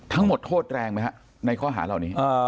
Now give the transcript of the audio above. ทั้งหมดโทษแรงไหมครับในข้อหาเหล่านี้